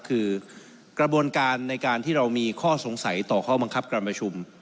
คือกระบวนการในการที่เรามีข้อสงสัยต่อข้อบังคับการประชุม